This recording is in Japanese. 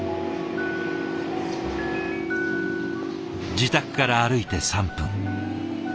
自宅から歩いて３分。